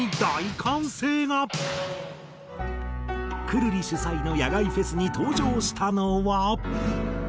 くるり主催の野外フェスに登場したのは。